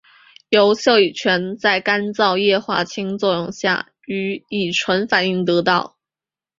由溴乙醛在干燥溴化氢作用下与乙醇反应得到。